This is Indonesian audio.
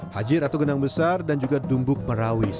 hajir atau genang besar dan juga dumbuk merawis